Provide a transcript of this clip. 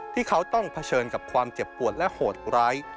ที่เขาต้องเผชิญกับความเจ็บปวดและโหดร้าย